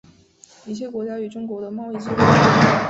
一切国家与中国的贸易机会均等。